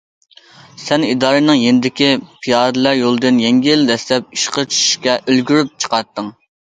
سەن ئىدارىنىڭ يېنىدىكى پىيادىلەر يولىدىن يەڭگىل دەسسەپ ئىشقا چۈشۈشكە ئۈلگۈرۈپ چىقاتتىڭ.